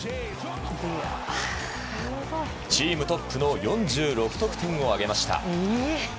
チームトップの４６得点を挙げました。